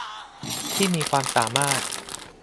ที่มีความสามารถ